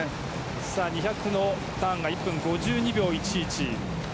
２００のターンが１分５２秒１１。